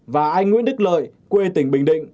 và anh nguyễn đức lợi quê tỉnh bình định